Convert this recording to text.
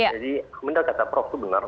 jadi mendal kata prof itu benar